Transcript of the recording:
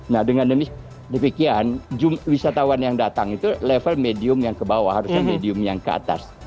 nah dengan demikian wisatawan yang datang itu level medium yang ke bawah harusnya medium yang ke atas